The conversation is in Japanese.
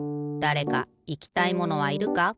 だれかいきたいものはいるか？